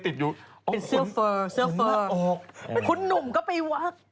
ขนชู้ครึ่งยนต์เลยครับ